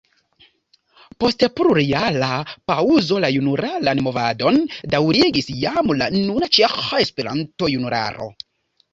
Post plurjara paŭzo la junularan movadon daŭrigis jam la nuna Ĉeĥa Esperanto-Junularo.